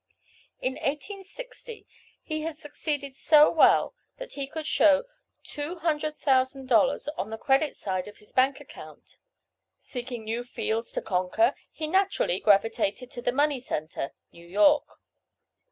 In 1860, he had succeeded so well that he could show $200,000 on the credit side of his bank account. Seeking new fields to conquer, he naturally gravitated to the money centre, New York.